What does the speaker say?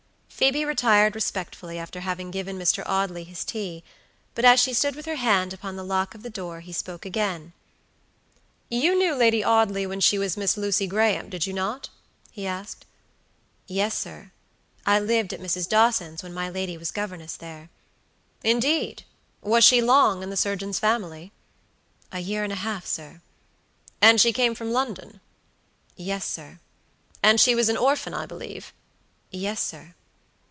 Phoebe retired respectfully after having given Mr. Audley his tea, but as she stood with her hand upon the lock of the door he spoke again. "You knew Lady Audley when she was Miss Lucy Graham, did you not?" he asked. "Yes, sir. I lived at Mrs. Dawson's when my lady was governess there." "Indeed! Was she long in the surgeon's family?" "A year and a half, sir." "And she came from London?" "Yes, sir." "And she was an orphan, I believe?" "Yes, sir."